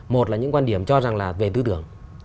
một là những quan điểm cho rằng là về tư tưởng